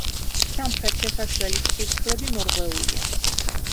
სამხრეთ შესასვლელის წირთხლები მორღვეულია.